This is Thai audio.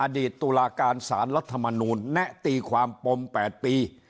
ตุลาการสารรัฐมนูลแนะตีความปม๘ปี